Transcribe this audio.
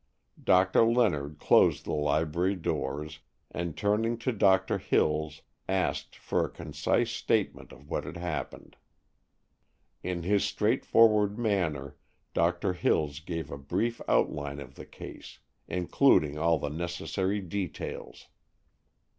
Doctor Leonard closed the library doors, and, turning to Doctor Hills, asked for a concise statement of what had happened. In his straightforward manner Doctor Hills gave him a brief outline of the case, including all the necessary details.